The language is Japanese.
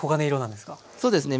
そうですね。